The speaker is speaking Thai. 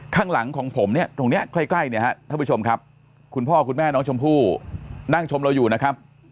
ข้างหลังของผมเนี่ยตรงนี้ใกล้เนี่ยฮะท่านผู้ชมครับคุณพ่อคุณแม่น้องชมพู่นั่งชมเราอยู่นะครับ